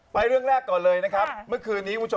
ไปเรื่องแรกก่อนเลยนะครับเมื่อคืนนี้